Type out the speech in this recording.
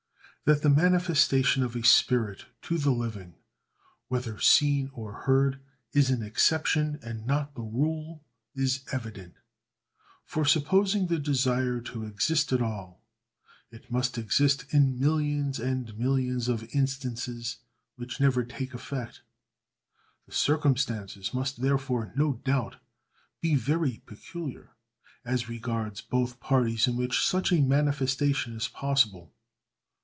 That the manifestation of a spirit to the living, whether seen or heard, is an exception, and not the rule, is evident; for, supposing the desire to exist at all, it must exist in millions and millions of instances which never take effect. The circumstances must therefore no doubt be very peculiar, as regards both parties in which such a manifestation is possible.